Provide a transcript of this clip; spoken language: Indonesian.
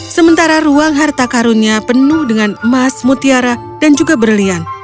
sementara ruang harta karunnya penuh dengan emas mutiara dan juga berlian